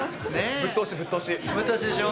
ぶっ通しでしょう？